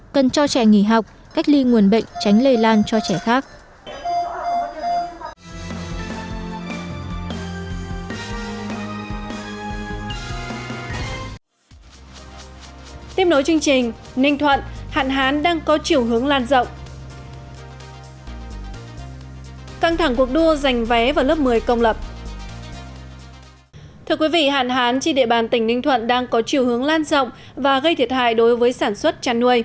cần cho trẻ nghỉ học cách ly nguồn bệnh tránh lây lan cho trẻ khác